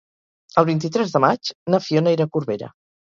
El vint-i-tres de maig na Fiona irà a Corbera.